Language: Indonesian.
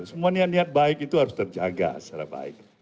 semua niat niat baik itu harus terjaga secara baik